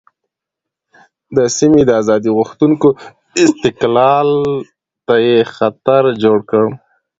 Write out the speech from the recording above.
د سیمې د آزادۍ غوښتونکو استقلال ته یې خطر جوړ کړ.